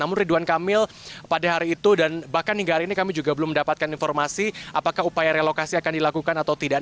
namun ridwan kamil pada hari itu dan bahkan hingga hari ini kami juga belum mendapatkan informasi apakah upaya relokasi akan dilakukan atau tidak